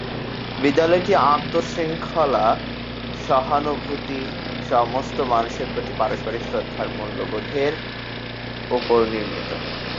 বিদ্যালয়টি আত্ম-শৃঙ্খলা, সহানুভূতি, সমস্ত মানুষের প্রতি পারস্পরিক শ্রদ্ধার মূল্যবোধের উপর নির্মিত।